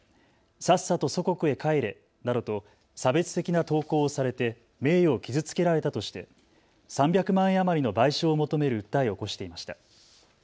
さっさと祖国へ帰れなどと差別的な投稿をされて名誉を傷つけられたとして３００万円余りの賠償を求める訴えを起こしていました。